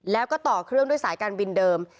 แล้วก็ต่อเครื่องด้วยสายการบินเดิม